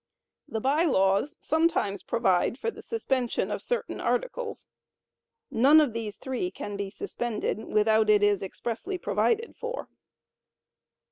The By Laws sometimes provide for the suspension of certain articles. None of these three can be suspended without it is expressly provided for.